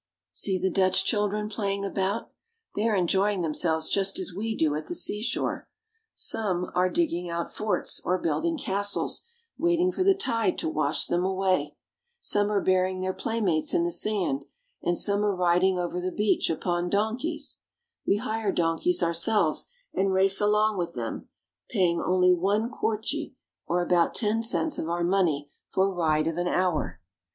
See the Dutch children playing about ! They are en joying themselves just as we do at the seashore. Some are IN THE DUTCH CITIES. 155 "The beach is covered ... with giant hoods." digging out forts or building castles, waiting for the tide to wash them away. Some are burying their playmates in the sand, and some are riding over the beach upon donkeys. We hire donkeys ourselves, and race along with them, paying only one kwartje, or about ten cents of our money, for a ride of an hour.